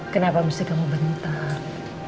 kenapa mesti kamu bentar